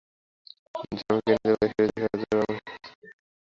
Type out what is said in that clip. যা আমি কেড়ে নিতে পারি সেইটেই যথার্থ আমার, এই হল সমস্ত জগতের শিক্ষা।